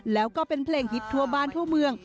แล้วก็เป็นเพลงฮิตทั่วบ้านทั่วเมือง